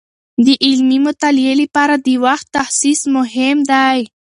د علمي مطالعې لپاره د وخت تخصیص مهم دی.